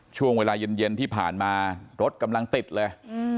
ช่วงเวลาเย็นที่ผ่านมารถกำลังติดเลย